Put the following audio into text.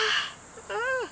ああ。